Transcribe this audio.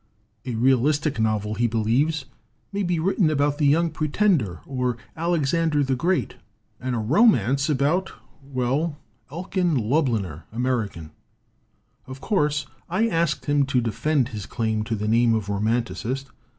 A realistic novel, he believes, may be written about the Young Pre 45 LITERATURE IN THE MAKING tender or Alexander the Great, and a romance about well, about Elkan Lubliner, American. Of course, I asked him to defend his claim to the name of romanticist.